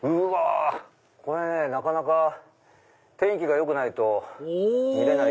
これ天気が良くないと見れない。